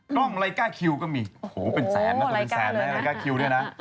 กล้องไรก้าคิวก็มีโอ้โหเป็นแสนนะก็เป็นแสนนะรายก้าคิวด้วยนะ